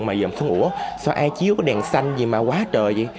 mà dồm xuống ủa sao ai chiếu cái đèn xanh gì mà quá trời vậy